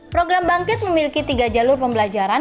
program bangkit memiliki tiga jalur pembelajaran